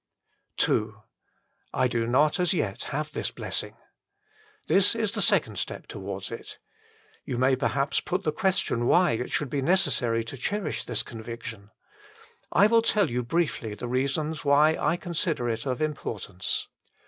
II / do not as yet have this blessing. This is the second step towards it. You may perhaps put the question why it should be necessary to cherish this conviction. I will tell you briefly the reasons why I consider it of importance.